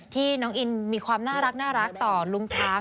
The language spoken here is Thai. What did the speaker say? ที่น้องอินมีความน่ารักต่อลุงช้าง